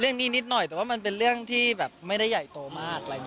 เรื่องนี้นิดหน่อยแต่ว่ามันเป็นเรื่องที่แบบไม่ได้ใหญ่โตมาก